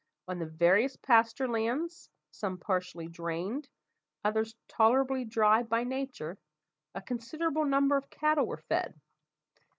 On the various pasture lands, some partially drained, others tolerably dry by nature, a considerable number of cattle were fed.